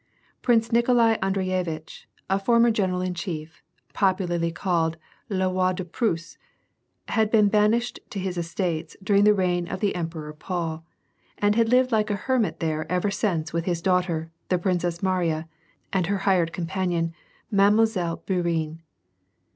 Prince Niko lai Andreyevitch, a former gencral in chief, popularly called le roi de Prusse, had been banished to his estates during the reign of the Emperor Paul, and had lived like a hermit there ever since with his daughter, the Princess Mariya, and hor hired companion. Mile. Bourienne.